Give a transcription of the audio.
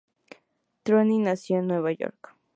Throne nació en Nueva York.